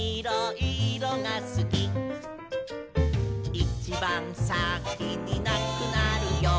「いちばん先になくなるよ」